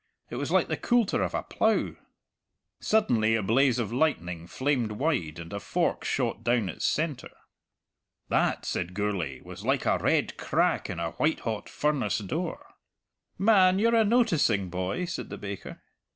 It was like the coulter of a plough." Suddenly a blaze of lightning flamed wide, and a fork shot down its centre. "That," said Gourlay, "was like a red crack in a white hot furnace door." "Man, you're a noticing boy," said the baker.